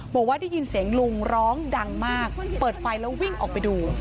บอกว่าได้ยินเสียงลุงร้องดังมากเปิดไฟแล้ววิ่งออกไปดู